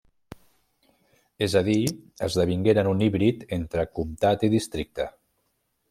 És a dir, esdevingueren un híbrid entre comtat i districte.